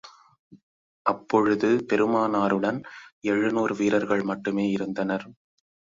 அப்பொழுது பெருமானாருடன் எழுநூறு வீரர்கள் மட்டுமே இருந்தனர்.